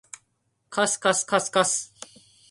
かすかすかすかす